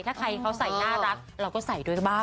ถ้าใครเขาใส่น่ารักเราก็ใส่ด้วยบ้าง